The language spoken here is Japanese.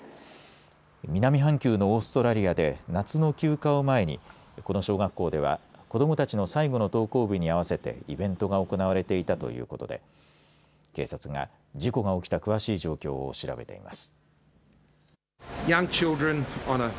南半球のオーストラリアで夏の休暇を前にこの小学校では子どもたちの最後の登校日に合わせてイベントが行われていたということで警察が事故が起きた詳しい状況を調べています。